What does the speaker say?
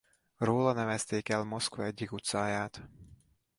Róla nevezték el Moszkva egyik utcáját.